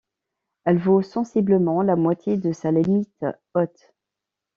Elle vaut sensiblement la moitié de sa limite haute.